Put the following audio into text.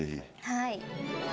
はい。